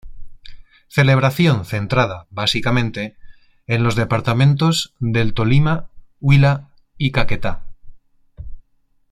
Celebración centrada básicamente en los departamentos del Tolima, Huila y Caquetá.